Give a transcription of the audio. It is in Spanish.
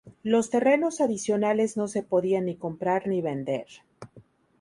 Los terrenos adicionales no se podían ni comprar ni vender.